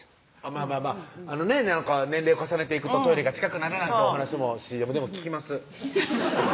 まぁまぁまぁ年齢を重ねていくとトイレが近くなるなんてお話もＣＭでも聞きます